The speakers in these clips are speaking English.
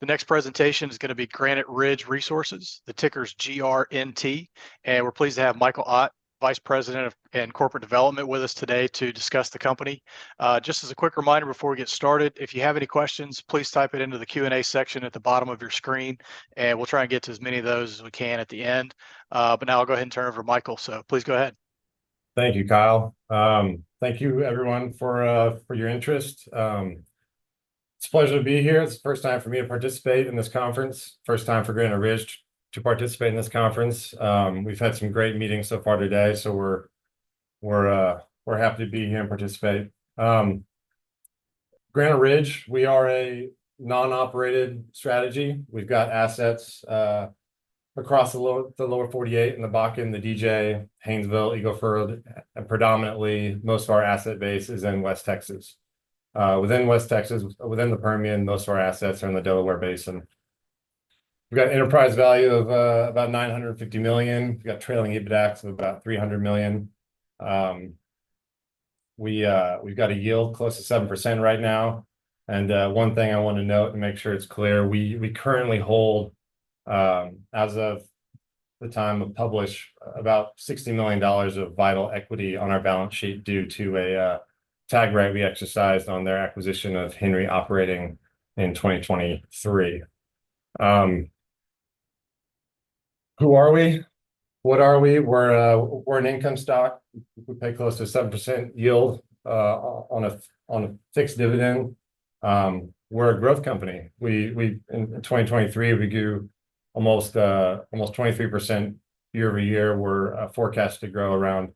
The next presentation is going to be Granite Ridge Resources, the ticker's GRNT. We're pleased to have Michael Ott, Vice President of Corporate Development, with us today to discuss the company. Just as a quick reminder before we get started, if you have any questions, please type it into the Q&A section at the bottom of your screen, and we'll try and get to as many of those as we can at the end. Now I'll go ahead and turn it over to Michael, so please go ahead. Thank you, Kyle. Thank you, everyone, for your interest. It's a pleasure to be here. It's the first time for me to participate in this conference, first time for Granite Ridge to participate in this conference. We've had some great meetings so far today, so we're happy to be here and participate. Granite Ridge, we are a non-operated strategy. We've got assets across the Lower 48, in the Bakken, the DJ, Haynesville, Eagle Ford, and predominantly most of our asset base is in West Texas. Within West Texas, within the Permian, most of our assets are in the Delaware Basin. We've got enterprise value of about $950 million. We've got trailing EBITDA of about $300 million. We've got a yield close to 7% right now. One thing I want to note and make sure it's clear, we currently hold, as of the time of publish, about $60 million of Vital equity on our balance sheet due to a tag right we exercised on their acquisition of Henry Resources in 2023. Who are we? What are we? We're an income stock. We pay close to 7% yield on a fixed dividend. We're a growth company. In 2023, we grew almost 23% year-over-year. We're forecast to grow around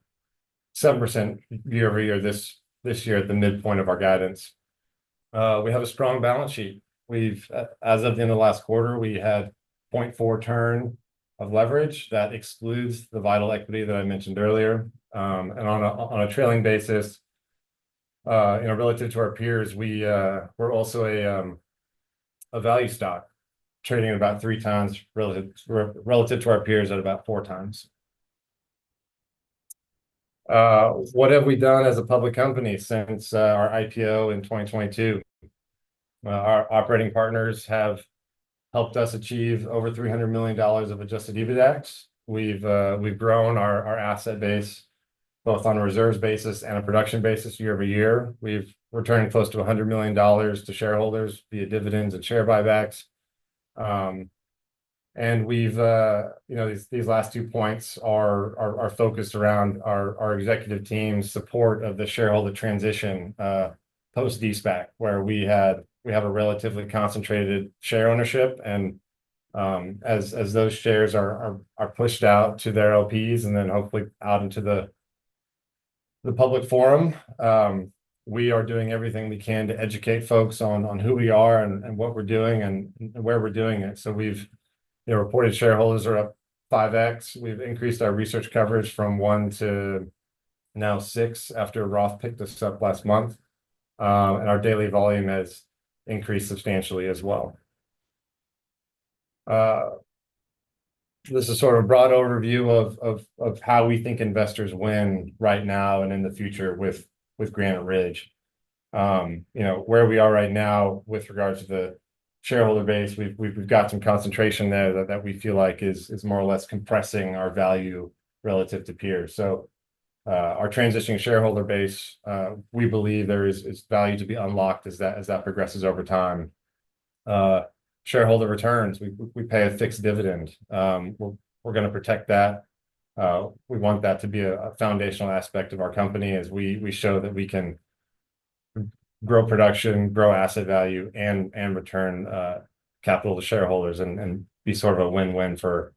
7% year-over-year this year at the midpoint of our guidance. We have a strong balance sheet. As of the end of the last quarter, we had a 0.4 turn of leverage. That excludes the Vital equity that I mentioned earlier. On a trailing basis, relative to our peers, we're also a value stock, trading about three times relative to our peers at about four times. What have we done as a public company since our IPO in 2022? Our operating partners have helped us achieve over $300 million of Adjusted EBITDA. We've grown our asset base both on a reserves basis and a production basis year-over-year. We've returned close to $100 million to shareholders via dividends and share buybacks. And these last two points are focused around our executive team's support of the shareholder transition post-De-SPAC, where we have a relatively concentrated share ownership. And as those shares are pushed out to their LPs and then hopefully out into the public forum, we are doing everything we can to educate folks on who we are and what we're doing and where we're doing it. So the reported shareholders are up 5x. We've increased our research coverage from one to now six after Roth picked us up last month. And our daily volume has increased substantially as well. This is sort of a broad overview of how we think investors win right now and in the future with Granite Ridge. Where we are right now with regards to the shareholder base, we've got some concentration there that we feel like is more or less compressing our value relative to peers. So our transitioning shareholder base, we believe there is value to be unlocked as that progresses over time. Shareholder returns, we pay a fixed dividend. We're going to protect that. We want that to be a foundational aspect of our company as we show that we can grow production, grow asset value, and return capital to shareholders and be sort of a win-win for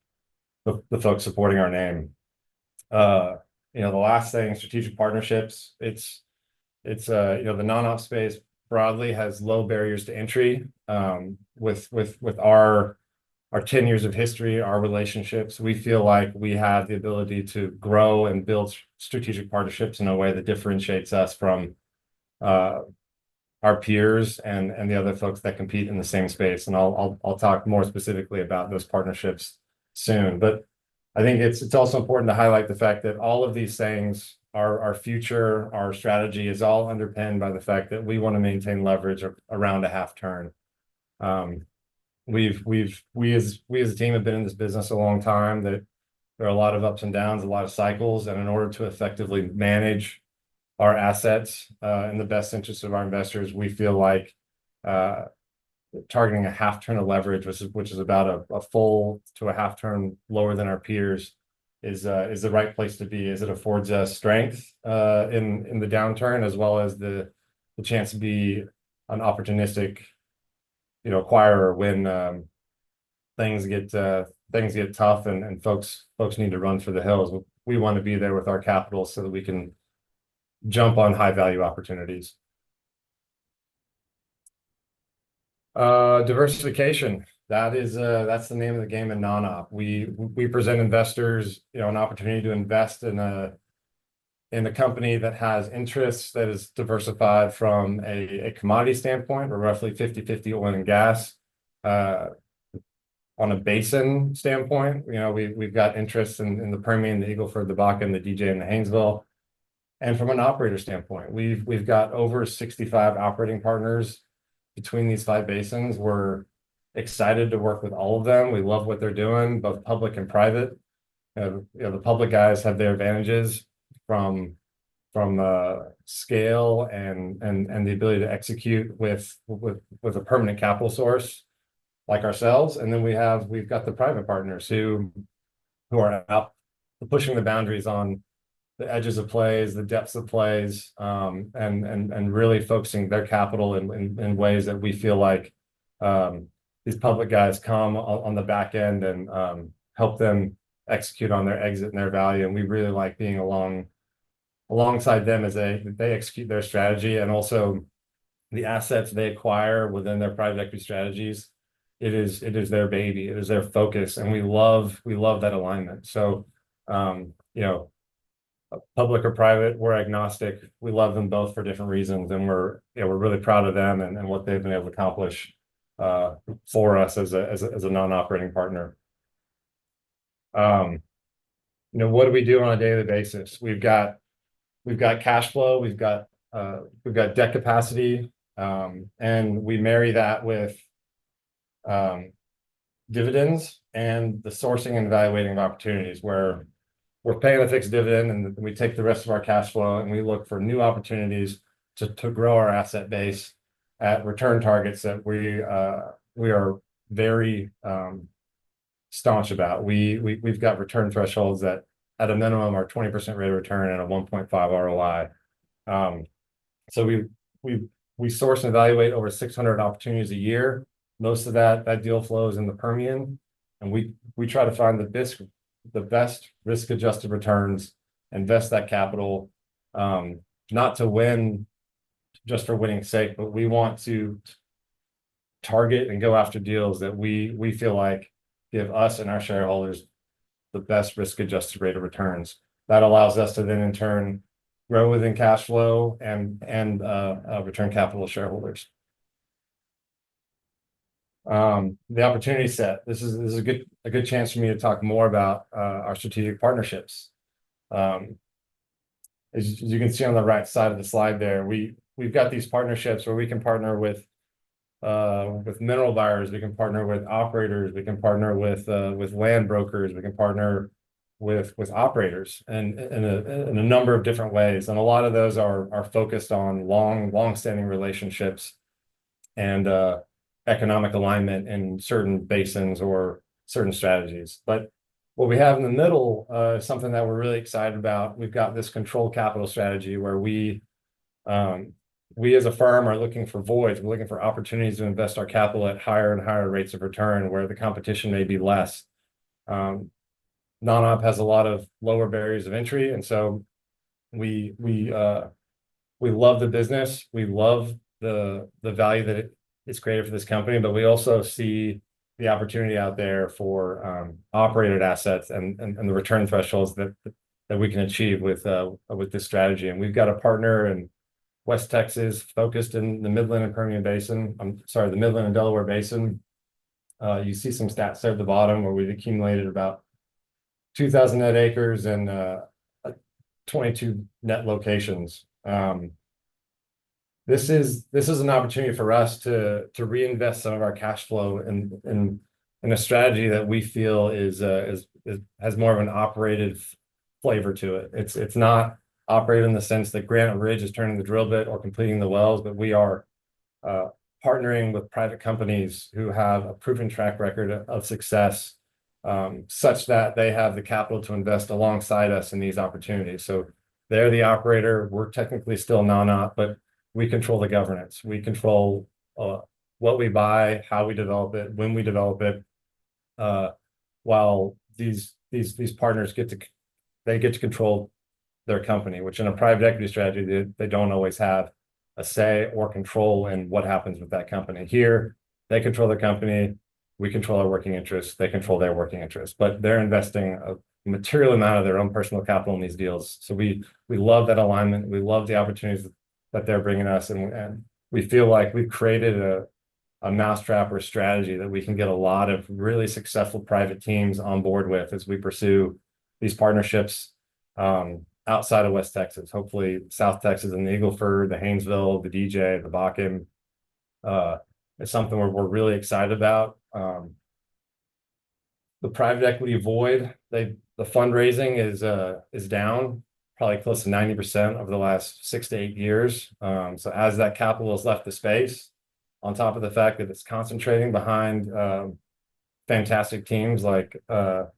the folks supporting our name. The last thing, strategic partnerships: the non-op space broadly has low barriers to entry. With our 10 years of history, our relationships, we feel like we have the ability to grow and build strategic partnerships in a way that differentiates us from our peers and the other folks that compete in the same space. And I'll talk more specifically about those partnerships soon. But I think it's also important to highlight the fact that all of these things, our future, our strategy is all underpinned by the fact that we want to maintain leverage around a half turn. We as a team have been in this business a long time. There are a lot of ups and downs, a lot of cycles. In order to effectively manage our assets in the best interest of our investors, we feel like targeting a half turn of leverage, which is about a full to a half turn lower than our peers, is the right place to be as it affords us strength in the downturn as well as the chance to be an opportunistic acquirer when things get tough and folks need to run for the hills. We want to be there with our capital so that we can jump on high-value opportunities. Diversification. That's the name of the game in non-op. We present investors an opportunity to invest in a company that has interests that are diversified from a commodity standpoint. We're roughly 50/50 oil and gas on a basin standpoint. We've got interests in the Permian, the Eagle Ford, the Bakken, the DJ, and the Haynesville. And from an operator standpoint, we've got over 65 operating partners between these five basins. We're excited to work with all of them. We love what they're doing, both public and private. The public guys have their advantages from the scale and the ability to execute with a permanent capital source like ourselves. And then we've got the private partners who are pushing the boundaries on the edges of plays, the depths of plays, and really focusing their capital in ways that we feel like these public guys come on the back end and help them execute on their exit and their value. And we really like being alongside them as they execute their strategy and also the assets they acquire within their private equity strategies. It is their baby. It is their focus. And we love that alignment. So public or private, we're agnostic. We love them both for different reasons. And we're really proud of them and what they've been able to accomplish for us as a non-operating partner. What do we do on a daily basis? We've got cash flow. We've got debt capacity. And we marry that with dividends and the sourcing and evaluating opportunities where we're paying a fixed dividend and we take the rest of our cash flow and we look for new opportunities to grow our asset base at return targets that we are very staunch about. We've got return thresholds that at a minimum are 20% rate of return and a 1.5 ROI. So we source and evaluate over 600 opportunities a year. Most of that deal flow is in the Permian. We try to find the best risk-adjusted returns and invest that capital, not to win just for winning's sake, but we want to target and go after deals that we feel like give us and our shareholders the best risk-adjusted rate of returns. That allows us to then in turn grow within cash flow and return capital to shareholders. The opportunity set. This is a good chance for me to talk more about our strategic partnerships. As you can see on the right side of the slide there, we've got these partnerships where we can partner with mineral buyers. We can partner with operators. We can partner with land brokers. We can partner with operators in a number of different ways. And a lot of those are focused on long-standing relationships and economic alignment in certain basins or certain strategies. But what we have in the middle is something that we're really excited about. We've got this controlled capital strategy where we as a firm are looking for voids. We're looking for opportunities to invest our capital at higher and higher rates of return where the competition may be less. Non-op has a lot of lower barriers of entry. And so we love the business. We love the value that it's created for this company. But we also see the opportunity out there for operated assets and the return thresholds that we can achieve with this strategy. And we've got a partner in West Texas focused in the Midland and Permian Basin. I'm sorry, the Midland and Delaware Basin. You see some stats there at the bottom where we've accumulated about 2,000 net acres and 22 net locations. This is an opportunity for us to reinvest some of our cash flow in a strategy that we feel has more of an operative flavor to it. It's not operative in the sense that Granite Ridge is turning the drill bit or completing the wells, but we are partnering with private companies who have a proven track record of success such that they have the capital to invest alongside us in these opportunities. So they're the operator. We're technically still non-op, but we control the governance. We control what we buy, how we develop it, when we develop it, while these partners get to control their company, which in a private equity strategy, they don't always have a say or control in what happens with that company. Here, they control their company. We control our working interests. They control their working interests. But they're investing a material amount of their own personal capital in these deals. So we love that alignment. We love the opportunities that they're bringing us. And we feel like we've created a mousetrap or strategy that we can get a lot of really successful private teams on board with as we pursue these partnerships outside of West Texas. Hopefully, South Texas and the Eagle Ford, the Haynesville, the DJ, the Bakken is something we're really excited about. The private equity void, the fundraising is down probably close to 90% over the last six to eight years. So as that capital has left the space, on top of the fact that it's concentrating behind fantastic teams like Double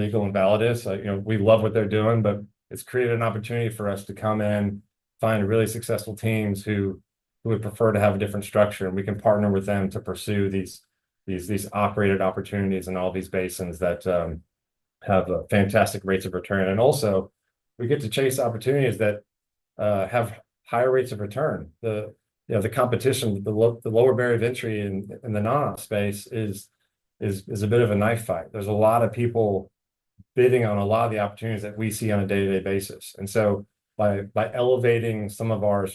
Eagle and Validus, we love what they're doing, but it's created an opportunity for us to come in, find really successful teams who would prefer to have a different structure. We can partner with them to pursue these operated opportunities in all these basins that have fantastic rates of return. Also, we get to chase opportunities that have higher rates of return. The competition, the lower barrier of entry in the non-op space is a bit of a knife fight. There's a lot of people bidding on a lot of the opportunities that we see on a day-to-day basis. By elevating some of our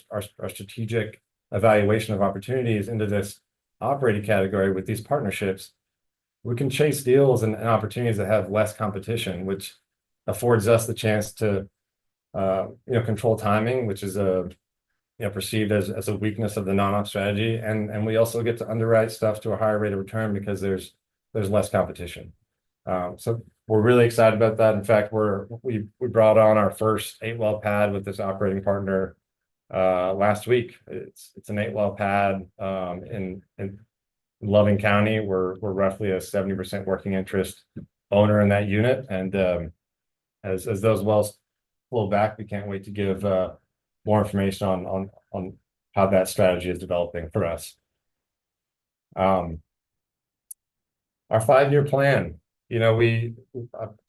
strategic evaluation of opportunities into this operating category with these partnerships, we can chase deals and opportunities that have less competition, which affords us the chance to control timing, which is perceived as a weakness of the non-op strategy. We also get to underwrite stuff to a higher rate of return because there's less competition. We're really excited about that. In fact, we brought on our first 8-well pad with this operating partner last week. It's an 8-well pad in Loving County. We're roughly a 70% working interest owner in that unit. And as those wells pull back, we can't wait to give more information on how that strategy is developing for us. Our 5-year plan. We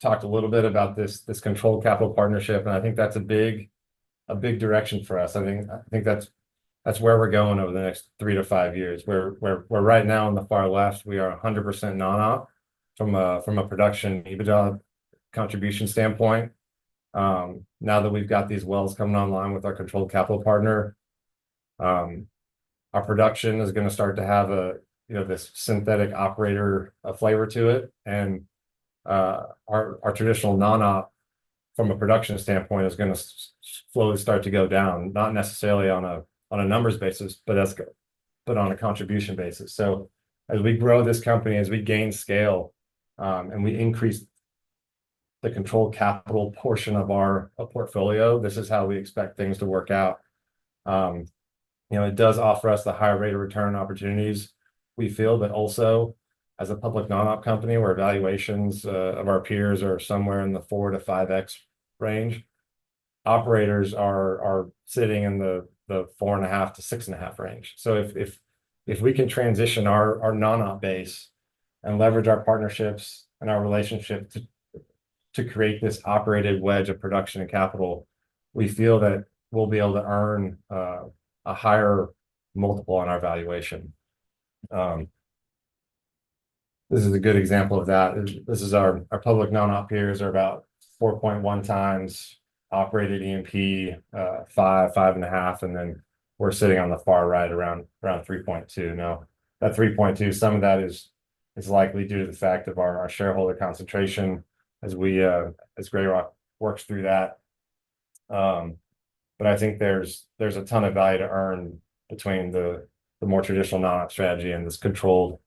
talked a little bit about this controlled capital partnership, and I think that's a big direction for us. I think that's where we're going over the next 3-5 years. We're right now in the far left. We are 100% non-op from a production EBITDA contribution standpoint. Now that we've got these wells coming online with our controlled capital partner, our production is going to start to have this synthetic operator flavor to it. Our traditional non-op from a production standpoint is going to slowly start to go down, not necessarily on a numbers basis, but on a contribution basis. So as we grow this company, as we gain scale, and we increase the controlled capital portion of our portfolio, this is how we expect things to work out. It does offer us the higher rate of return opportunities we feel, but also, as a public non-op company, where valuations of our peers are somewhere in the 4x-5x range, operators are sitting in the 4.5-6.5 range. So if we can transition our non-op base and leverage our partnerships and our relationship to create this operated wedge of production and capital, we feel that we'll be able to earn a higher multiple on our valuation. This is a good example of that. Our public non-op peers are about 4.1x operated E&P, 5, 5.5, and then we're sitting on the far right around 3.2. Now, that 3.2, some of that is likely due to the fact of our shareholder concentration as Grey Rock works through that. But I think there's a ton of value to earn between the more traditional non-op strategy and this controlled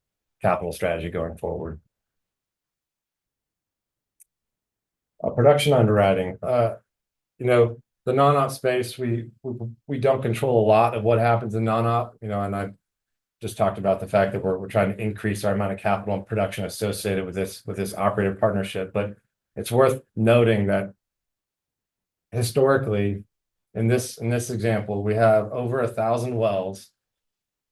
capital strategy going forward. Production underwriting. The non-op space, we don't control a lot of what happens in non-op. And I just talked about the fact that we're trying to increase our amount of capital and production associated with this operative partnership. But it's worth noting that historically, in this example, we have over 1,000 wells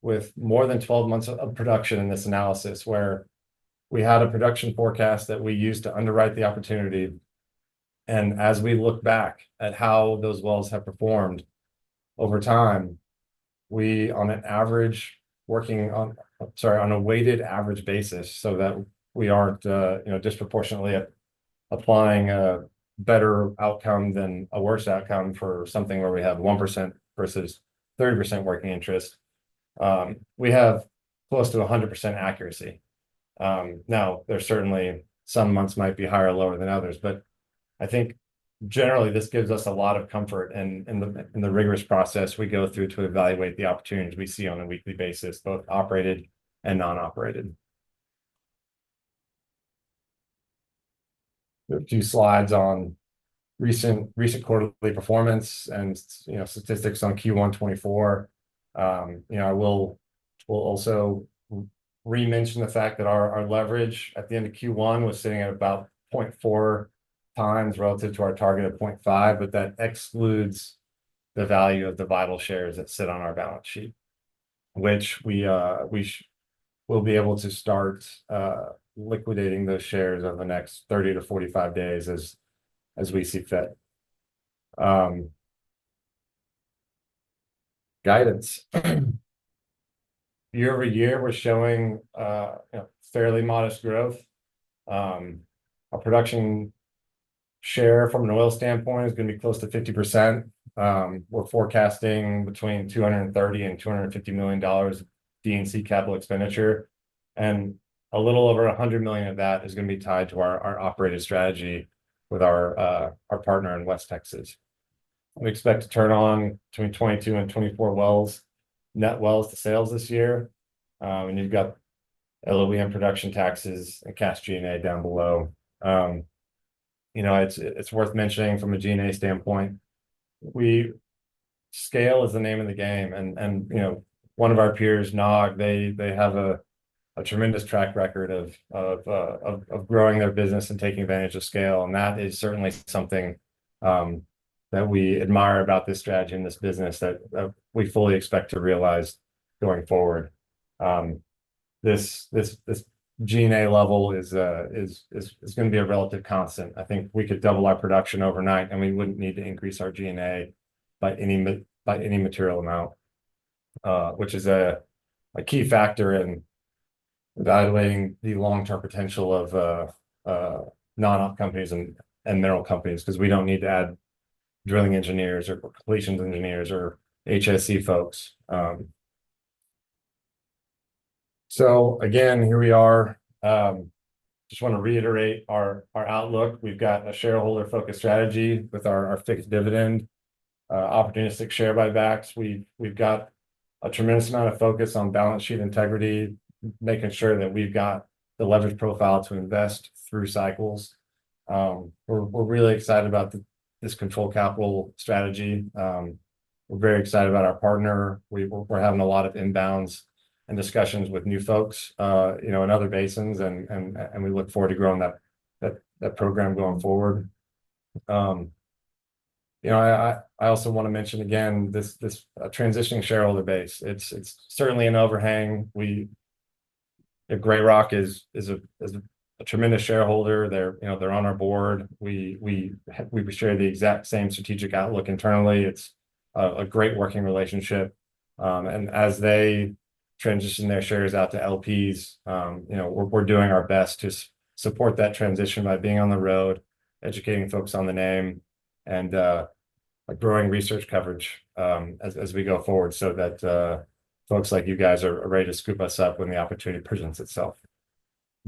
with more than 12 months of production in this analysis where we had a production forecast that we used to underwrite the opportunity. As we look back at how those wells have performed over time, we, on average, on a weighted average basis so that we aren't disproportionately applying a better outcome than a worse outcome for something where we have 1% versus 30% working interest, we have close to 100% accuracy. Now, there's certainly some months might be higher or lower than others, but I think generally this gives us a lot of comfort in the rigorous process we go through to evaluate the opportunities we see on a weekly basis, both operated and non-operated. There are a few slides on recent quarterly performance and statistics on Q1 2024. I will also re-mention the fact that our leverage at the end of Q1 was sitting at about 0.4x relative to our target of 0.5, but that excludes the value of the Vital shares that sit on our balance sheet, which we will be able to start liquidating those shares over the next 30-45 days as we see fit. Guidance. Year-over-year, we're showing fairly modest growth. Our production share from an oil standpoint is going to be close to 50%. We're forecasting between $230 million and $250 million of D&C capital expenditure. And a little over $100 million of that is going to be tied to our operated strategy with our partner in West Texas. We expect to turn on between 22 and 24 net wells to sales this year. And you've got LOE, production taxes, and cash G&A down below. It's worth mentioning from a G&A standpoint, scale is the name of the game. One of our peers, NOG, they have a tremendous track record of growing their business and taking advantage of scale. That is certainly something that we admire about this strategy and this business that we fully expect to realize going forward. This G&A level is going to be a relative constant. I think we could double our production overnight, and we wouldn't need to increase our G&A by any material amount, which is a key factor in evaluating the long-term potential of non-op companies and mineral companies because we don't need to add drilling engineers or completions engineers or HSE folks. Again, here we are. Just want to reiterate our outlook. We've got a shareholder-focused strategy with our fixed dividend, opportunistic share buybacks. We've got a tremendous amount of focus on balance sheet integrity, making sure that we've got the leverage profile to invest through cycles. We're really excited about this controlled capital strategy. We're very excited about our partner. We're having a lot of inbounds and discussions with new folks in other basins, and we look forward to growing that program going forward. I also want to mention again this transitioning shareholder base. It's certainly an overhang. Grey Rock is a tremendous shareholder. They're on our board. We share the exact same strategic outlook internally. It's a great working relationship. As they transition their shares out to LPs, we're doing our best to support that transition by being on the road, educating folks on the name, and growing research coverage as we go forward so that folks like you guys are ready to scoop us up when the opportunity presents itself.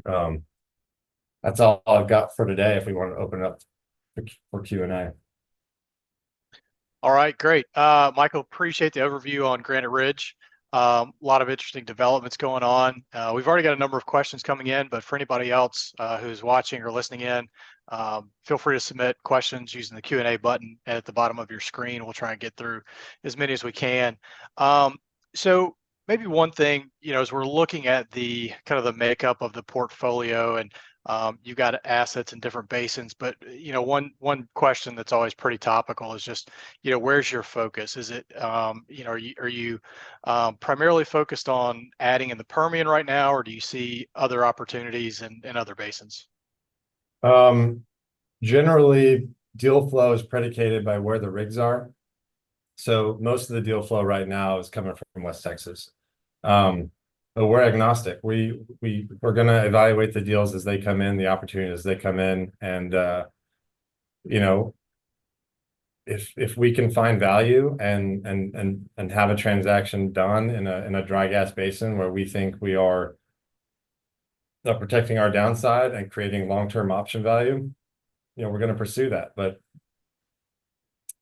That's all I've got for today if we want to open up for Q&A. All right. Great. Michael, appreciate the overview on Granite Ridge. A lot of interesting developments going on. We've already got a number of questions coming in, but for anybody else who's watching or listening in, feel free to submit questions using the Q&A button at the bottom of your screen. We'll try and get through as many as we can. So maybe one thing as we're looking at kind of the makeup of the portfolio, and you've got assets in different basins, but one question that's always pretty topical is just where's your focus? Are you primarily focused on adding in the Permian right now, or do you see other opportunities in other basins? Generally, deal flow is predicated by where the rigs are. So most of the deal flow right now is coming from West Texas. But we're agnostic. We're going to evaluate the deals as they come in, the opportunities as they come in. And if we can find value and have a transaction done in a dry gas basin where we think we are protecting our downside and creating long-term option value, we're going to pursue that. But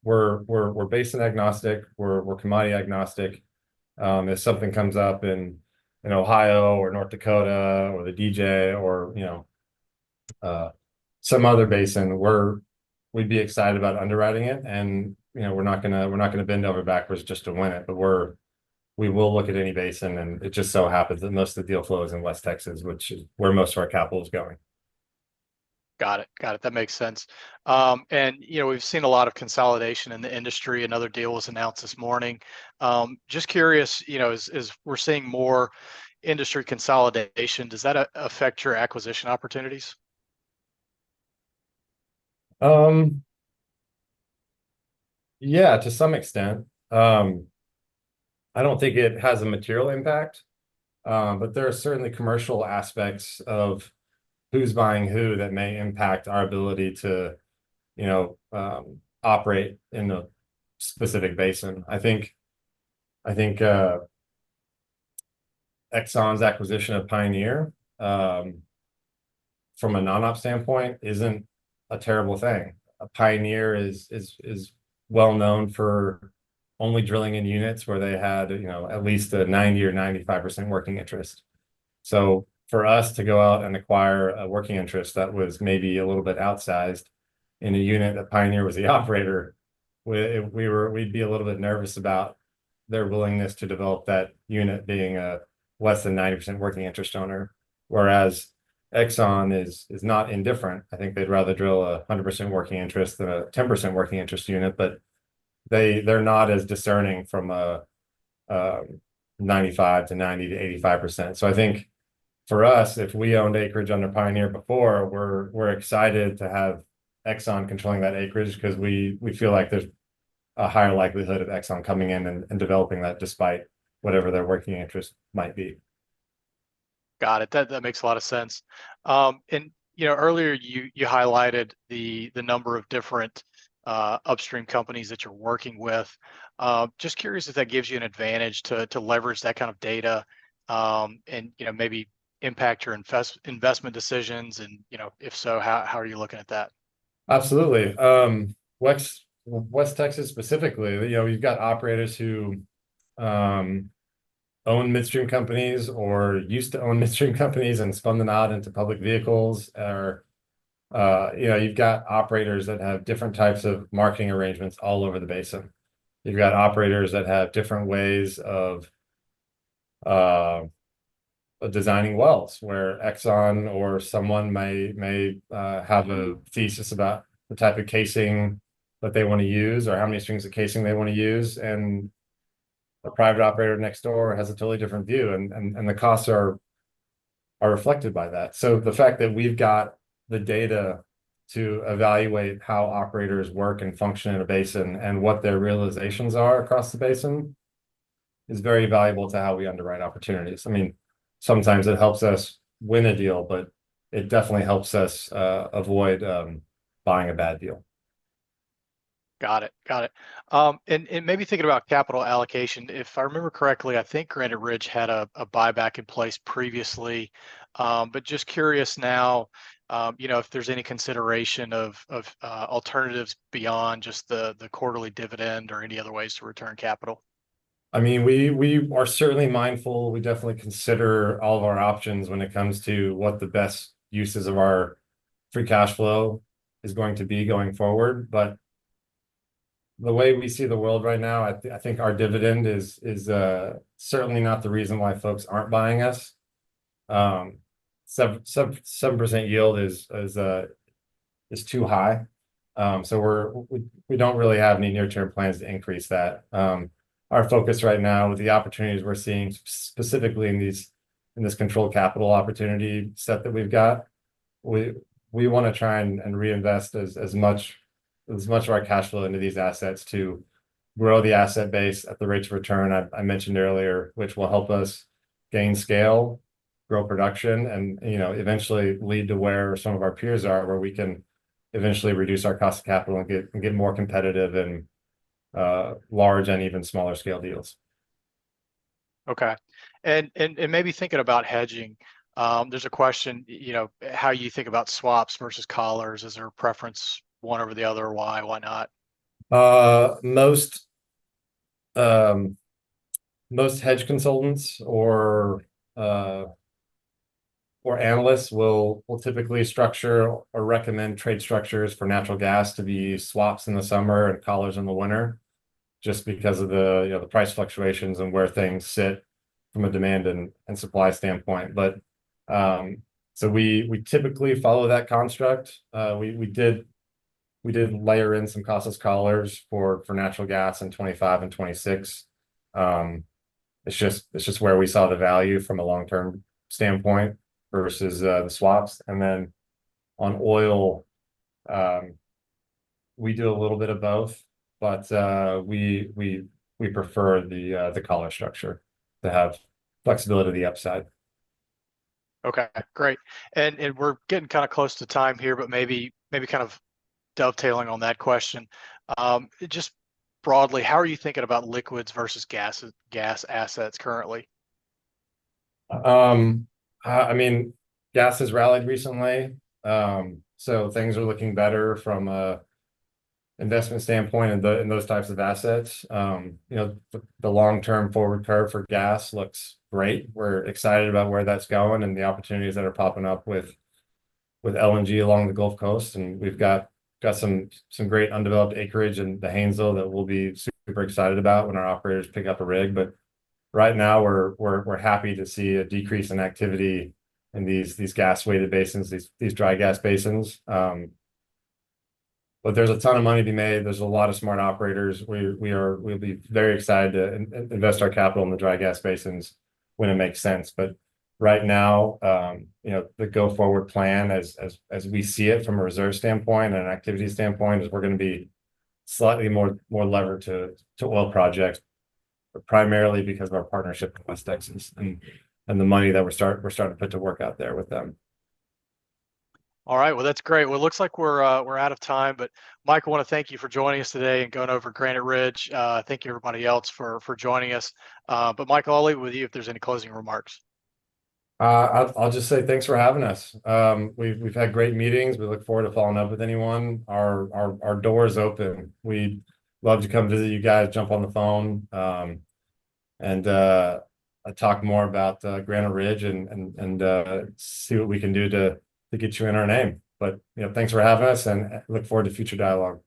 we're basin agnostic. We're commodity agnostic. If something comes up in Ohio or North Dakota or the DJ or some other basin, we'd be excited about underwriting it. And we're not going to bend over backwards just to win it, but we will look at any basin. And it just so happens that most of the deal flow is in West Texas, which is where most of our capital is going. Got it. Got it. That makes sense. And we've seen a lot of consolidation in the industry and other deals announced this morning. Just curious, as we're seeing more industry consolidation, does that affect your acquisition opportunities? Yeah, to some extent. I don't think it has a material impact, but there are certainly commercial aspects of who's buying who that may impact our ability to operate in a specific basin. I think Exxon's acquisition of Pioneer from a non-op standpoint isn't a terrible thing. Pioneer is well-known for only drilling in units where they had at least a 90% or 95% working interest. So for us to go out and acquire a working interest that was maybe a little bit outsized in a unit that Pioneer was the operator, we'd be a little bit nervous about their willingness to develop that unit being a less than 90% working interest owner, whereas Exxon is not indifferent. I think they'd rather drill a 100% working interest than a 10% working interest unit, but they're not as discerning from a 95% to 90% to 85%. I think for us, if we owned acreage under Pioneer before, we're excited to have Exxon controlling that acreage because we feel like there's a higher likelihood of Exxon coming in and developing that despite whatever their working interest might be. Got it. That makes a lot of sense. And earlier, you highlighted the number of different upstream companies that you're working with. Just curious if that gives you an advantage to leverage that kind of data and maybe impact your investment decisions. And if so, how are you looking at that? Absolutely. West Texas specifically, you've got operators who own midstream companies or used to own midstream companies and spun them off into public vehicles. You've got operators that have different types of marketing arrangements all over the basin. You've got operators that have different ways of designing wells where Exxon or someone may have a thesis about the type of casing that they want to use or how many strings of casing they want to use. And a private operator next door has a totally different view, and the costs are reflected by that. So the fact that we've got the data to evaluate how operators work and function in a basin and what their realizations are across the basin is very valuable to how we underwrite opportunities. I mean, sometimes it helps us win a deal, but it definitely helps us avoid buying a bad deal. Got it. Got it. Maybe thinking about capital allocation, if I remember correctly, I think Granite Ridge had a buyback in place previously, but just curious now if there's any consideration of alternatives beyond just the quarterly dividend or any other ways to return capital. I mean, we are certainly mindful. We definitely consider all of our options when it comes to what the best uses of our free cash flow is going to be going forward. But the way we see the world right now, I think our dividend is certainly not the reason why folks aren't buying us. 7% yield is too high. So we don't really have any near-term plans to increase that. Our focus right now with the opportunities we're seeing specifically in this controlled capital opportunity set that we've got, we want to try and reinvest as much of our cash flow into these assets to grow the asset base at the rates of return I mentioned earlier, which will help us gain scale, grow production, and eventually lead to where some of our peers are where we can eventually reduce our cost of capital and get more competitive and large and even smaller scale deals. Okay. And maybe thinking about hedging, there's a question how you think about swaps versus collars. Is there a preference one over the other? Why? Why not? Most hedge consultants or analysts will typically structure or recommend trade structures for natural gas to be swaps in the summer and collars in the winter just because of the price fluctuations and where things sit from a demand and supply standpoint. So we typically follow that construct. We did layer in some collars for natural gas in 2025 and 2026. It's just where we saw the value from a long-term standpoint versus the swaps. And then on oil, we do a little bit of both, but we prefer the collar structure to have flexibility to the upside. Okay. Great. We're getting kind of close to time here, but maybe kind of dovetailing on that question. Just broadly, how are you thinking about liquids versus gas assets currently? I mean, gas has rallied recently. So things are looking better from an investment standpoint in those types of assets. The long-term forward curve for gas looks great. We're excited about where that's going and the opportunities that are popping up with LNG along the Gulf Coast. And we've got some great undeveloped acreage in the Haynesville that we'll be super excited about when our operators pick up a rig. But right now, we're happy to see a decrease in activity in these gas-weighted basins, these dry gas basins. But there's a ton of money to be made. There's a lot of smart operators. We'll be very excited to invest our capital in the dry gas basins when it makes sense. Right now, the go-forward plan as we see it from a reserve standpoint and an activity standpoint is we're going to be slightly more levered to oil projects primarily because of our partnership with West Texas and the money that we're starting to put to work out there with them. All right. Well, that's great. Well, it looks like we're out of time. But Michael, I want to thank you for joining us today and going over Granite Ridge. Thank you, everybody else, for joining us. But Michael, I'll leave it with you if there's any closing remarks. I'll just say thanks for having us. We've had great meetings. We look forward to following up with anyone. Our door is open. We'd love to come visit you guys, jump on the phone, and talk more about Granite Ridge and see what we can do to get you in our name. But thanks for having us, and look forward to future dialogue.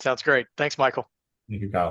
Sounds great. Thanks, Michael. Thank you, Kyle.